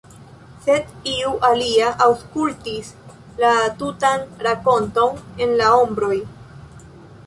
Sed, iu alia aŭskultis la tutan rakonton en la ombroj.